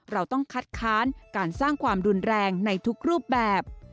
เราต้องคัดค้านการสร้างความรุนแรงในทุกรูปแบบ